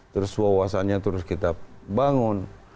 terus wawasannya terus kita bangun